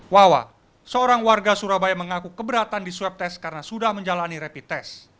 wawa seorang warga surabaya mengaku keberatan di swab test karena sudah menjalani rapid test